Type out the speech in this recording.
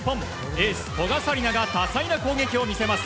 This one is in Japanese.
エース、古賀紗理那が多彩な攻撃を見せます。